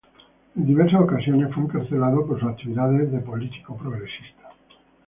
En diversas ocasiones fue encarcelado por sus actividades de político progresista.